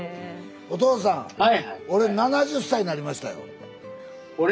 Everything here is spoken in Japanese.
お父さん俺７０歳なりましたよ。